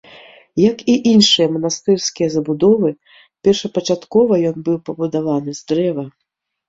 Як і іншыя манастырскія забудовы, першапачаткова ён быў пабудаваны з дрэва.